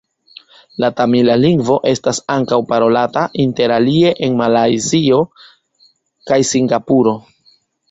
La tamila lingvo estas ankaŭ parolata interalie en Malajzio kaj Singapuro.